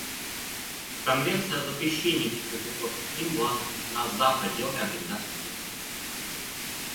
Конвенция о запрещении противопехотных мин была заключена за пределами Организации Объединенных Наций.